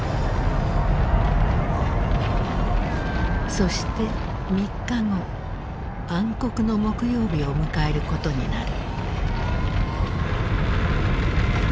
そして３日後暗黒の木曜日を迎えることになる。